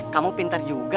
kamu pintar juga